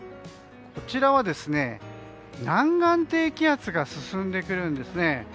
こちらは、南岸低気圧が進んでくるんですね。